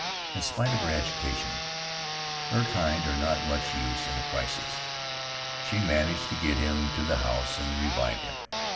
In spite of her agitation — her kind are not much use in a crisis — she managed to get him to the house and revive him.